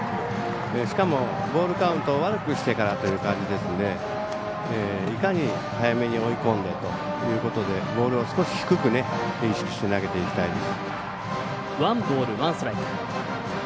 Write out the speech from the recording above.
しかも、ボールカウントを悪くしてからという感じでいかに早めに追い込んでということでボールを少し低く意識して投げていきたいです。